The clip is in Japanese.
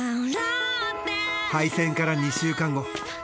敗戦から２週間後。